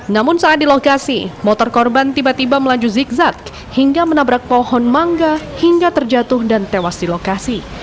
namun saat di lokasi motor korban tiba tiba melaju zigzag hingga menabrak pohon mangga hingga terjatuh dan tewas di lokasi